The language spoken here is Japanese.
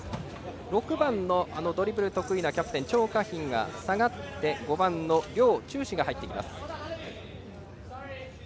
６番、ドリブル得意なキャプテンの張家彬が下がって５番の梁仲志が入ってきました。